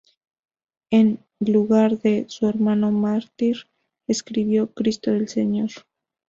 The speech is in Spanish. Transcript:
En lugar de "su hermano mártir" escribió "Cristo del Señor".